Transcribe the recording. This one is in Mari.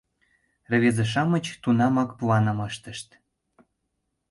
Рвезе-шамыч тунамак планым ыштышт.